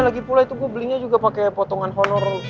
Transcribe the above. lagipula itu gue belinya juga pake potongan honor